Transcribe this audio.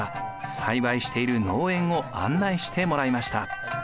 栽培している農園を案内してもらいました。